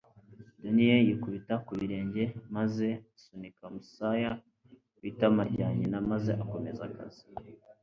Donnie yikubita ku birenge maze asunika umusaya ku itama rya nyina maze akomeza akazi.